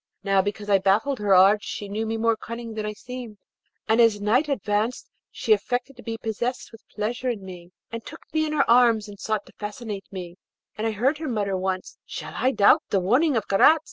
Now, because I baffled her arts she knew me more cunning than I seemed, and as night advanced she affected to be possessed with pleasure in me, and took me in her arms and sought to fascinate me, and I heard her mutter once, 'Shall I doubt the warning of Karaz?'